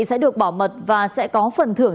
sẽ được bảo mật và sẽ có phần thưởng